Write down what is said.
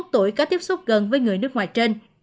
bảy mươi một tuổi có tiếp xúc gần với người nước ngoài trên